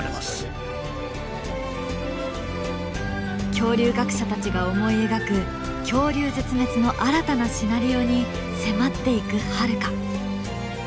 恐竜学者たちが思い描く「恐竜絶滅の新たなシナリオ」に迫っていくハルカ。